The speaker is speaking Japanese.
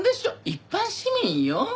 一般市民よ？